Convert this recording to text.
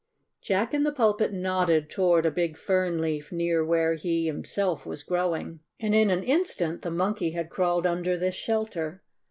Jack in the Pulpit nodded toward a big fern leaf near where he himself was growing, and in an instant the Monkey had crawled under this shelter.